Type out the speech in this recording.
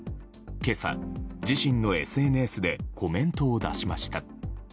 今朝、自身のＳＮＳでコメントを出しました。